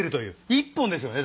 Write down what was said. １本ですよね